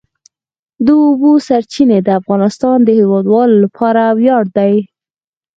د اوبو سرچینې د افغانستان د هیوادوالو لپاره ویاړ دی.